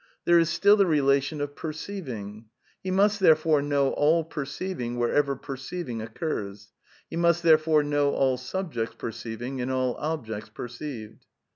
There is still the relation of perceiving. He must therefore know all perceiving wherever perceiving occurs. He must therefore know all subjects perceiving and all objects perceived.